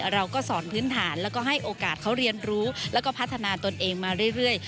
เราก็สอนพื้นฐานแล้วก็ให้โอกาสเขาเรียนรู้แล้วก็พัฒนาตนเองมาเรื่อย